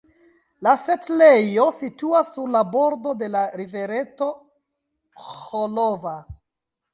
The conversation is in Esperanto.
La setlejo situas sur la bordo de la rivereto "Ĥolova".